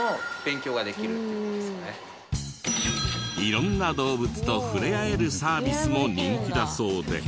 色んな動物とふれあえるサービスも人気だそうで。